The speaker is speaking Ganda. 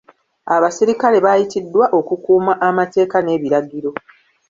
Abasirikale baayitiddwa okukuuma amateeka n'ebiragiro.